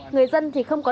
người dân thì không có